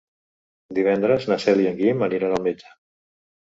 Divendres na Cel i en Guim aniran al metge.